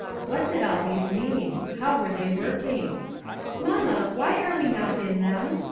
What did all these mean? How were they working? " Mamma, why are we not in them